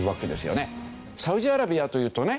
サウジアラビアというとね